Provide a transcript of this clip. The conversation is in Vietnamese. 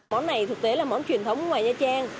món này thực tế là món truyền thống ngoài nha trang